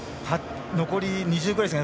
残り２０ぐらいですかね。